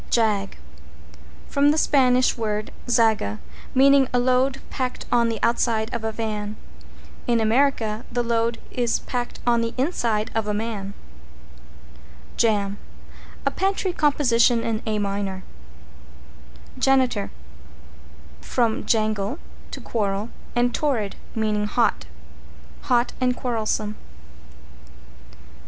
=JAG= From the Spanish word zaga, meaning a load packed on the outside of a van. In America the load is packed on the inside of a man. =JAM= A pantry composition in A minor. =JANITOR= From jangle, to quarrel, and torrid, meaning hot. Hot and quarrelsome.